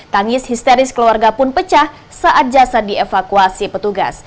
tangis histeris keluarga pun pecah saat jasad dievakuasi petugas